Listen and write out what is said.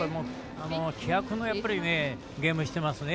気迫のゲームをしていますね。